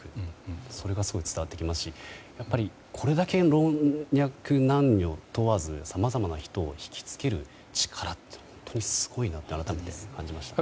それがすごい伝わってきますしやっぱりこれだけ老若男女問わずさまざまな人を引き付ける力というのは本当にすごいなって改めて感じましたね。